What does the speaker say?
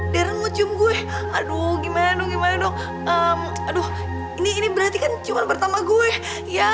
deren ujung gue aduh gimana dong gimana dong aduh ini ini berarti kan cuma pertama gue ya